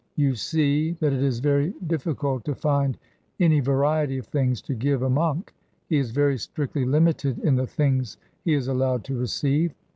You see that it is very difficult to find any variety of things to give a monk; he is very strictly limited in the things he is allowed to receive.